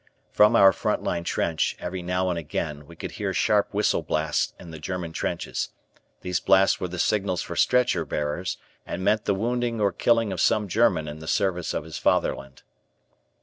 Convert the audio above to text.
From our front line trench, every now and again, we could hear sharp whistle blasts in the German trenches. These blasts were the signals for stretcher bearers, and meant the wounding or killing of some German in the service of his Fatherland.